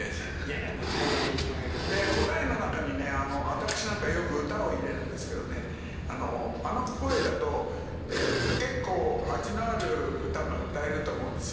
答えの中にね、私なんか、よく歌を入れるんですけれどもね、あの声だと結構、味のある歌が歌えると思うんですよ。